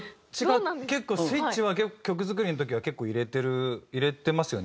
スイッチは曲作りの時は結構入れてる入れてますよね？